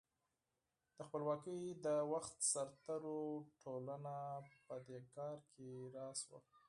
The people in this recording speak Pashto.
د خپلواکۍ د وخت سرتېرو ټولنه په دې کار کې راس وه.